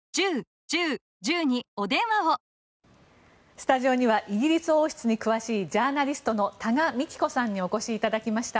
スタジオにはイギリス王室に詳しいジャーナリストの多賀幹子さんにお越しいただきました。